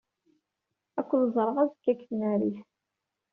Ad ken-ẓreɣ azekka deg tnarit.